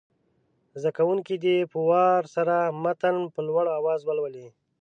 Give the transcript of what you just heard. زده کوونکي دې په وار سره متن په لوړ اواز ولولي.